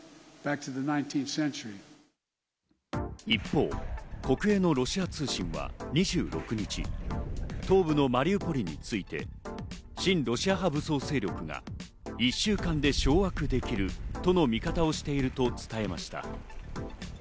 一方、国営のロシア通信は２６日、東部のマリウポリについて親ロシア派武装勢力が１週間で掌握できるとの見方をしていると伝えました。